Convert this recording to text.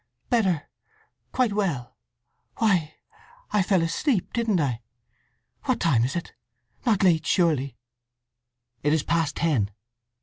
"Better. Quite well. Why, I fell asleep, didn't I? What time is it? Not late surely?" "It is past ten."